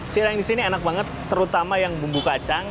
cireng di sini enak banget terutama yang bumbu kacang